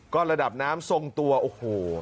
ก็ระดับน้ำทรงตัวโอ้โห